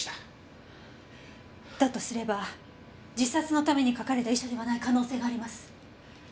だとすれば自殺のために書かれた遺書ではない可能性があります。